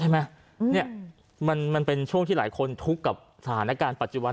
เนี่ยมันเป็นช่วงที่หลายคนทุกข์กับสถานการณ์ปัจจุบัน